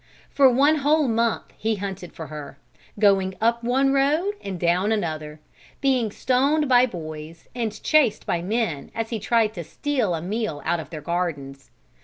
For one whole month he hunted for her, going up one road and down another, being stoned by boys and chased by men as he tried to steal a meal out of their gardens.